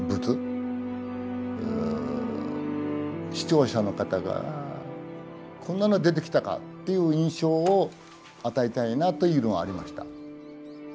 視聴者の方がこんなのが出てきたかっていう印象を与えたいなというのはありました。